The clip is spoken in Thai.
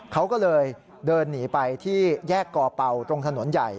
เขาก็เลยเดินหนีไปที่แยกกอเป่าตรงถนนใหญ่